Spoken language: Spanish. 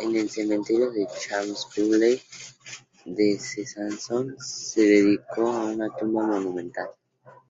En el cementerio de Champs-Bruley de Besanzón se le dedicó una tumba monumental.